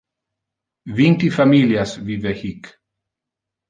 Vinti familias vive hic.